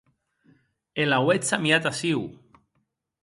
E l’auetz amiat aciu.